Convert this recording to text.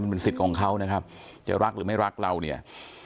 เป็นสิทธิ์ของเขานะครับจะรักหรือไม่รักเราเนี่ย